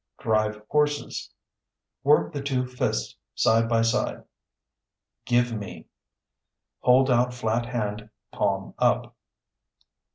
Drive horses (Work the two fists, side by side). Give me (Hold out flat hand, palm up).